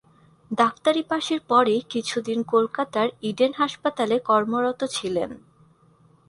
ডাক্তারি পাশের পরই কিছুদিন কলকাতার ইডেন হাসপাতালে কর্মরত ছিলেন।